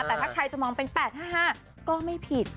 แต่ถ้าใครจะมองเป็น๘๕๕ก็ไม่ผิด